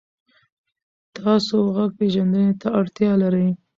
تاسو غږ پېژندنې ته اړتیا لرئ.